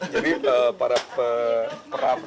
jadi para pekerjaan genteng